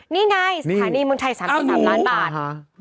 นี่ไงสถานีเมืองไทย๓๓ล้านบาท